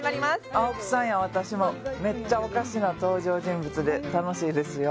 青木さんや私もメッチャおかしな登場人物で楽しいですよ